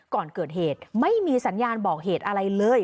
ก่อนเกิดเหตุไม่มีสัญญาณบอกเหตุอะไรเลย